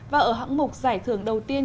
và ở hãng mục giải thưởng đầu tiên